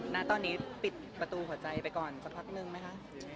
ณตอนนี้ปิดประตูหัวใจไปก่อนสักพักนึงไหมคะ